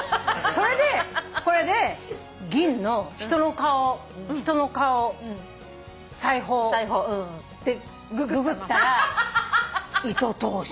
それでこれで「銀」の「人の顔」「裁縫」ってググったら糸通し。